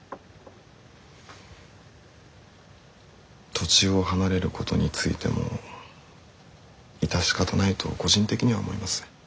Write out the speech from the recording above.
土地を離れることについても致し方ないと個人的には思います。